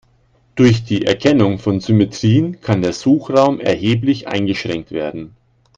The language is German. Durch die Erkennung von Symmetrien kann der Suchraum erheblich eingeschränkt werden.